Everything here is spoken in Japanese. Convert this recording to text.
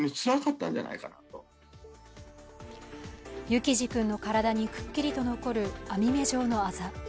幸士君の体にくっきりと残る網目状のあざ。